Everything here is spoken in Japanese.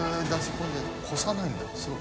これでこさないんだすごい。